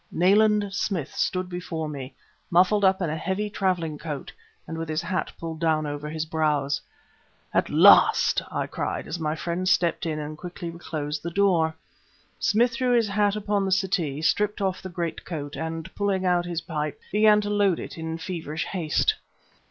Nayland Smith stood before me, muffled up in a heavy traveling coat, and with his hat pulled down over his brows. "At last!" I cried, as my friend stepped in and quickly reclosed the door. Smith threw his hat upon the settee, stripped off the great coat, and pulling out his pipe began to load it in feverish haste.